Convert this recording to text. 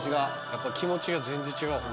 やっぱ気持ちが全然違う。